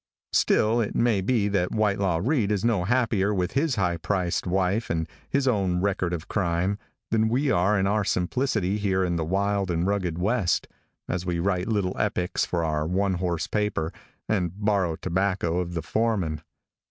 Still it may be that Whitelaw Reid is no happier with his high priced wife and his own record of crime, than we are in our simplicity here in the wild and rugged west, as we write little epics for our one horse paper, and borrow tobacco of the foreman.